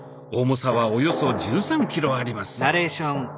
重さはおよそ１３ｋｇあります。